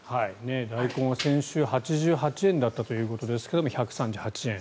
ダイコンは先週８８円だったということですが１３８円。